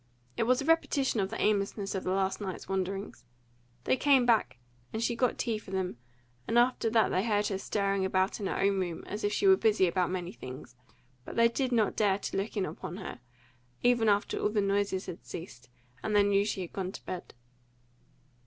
It was a repetition of the aimlessness of the last night's wanderings. They came back, and she got tea for them, and after that they heard her stirring about in her own room, as if she were busy about many things; but they did not dare to look in upon her, even after all the noises had ceased, and they knew she had gone to bed.